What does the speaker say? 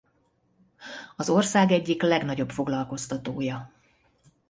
Az ország egyik legnagyobb foglalkoztatója.